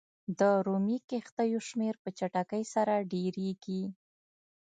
د رومي کښتیو شمېر په چټکۍ سره ډېرېږي.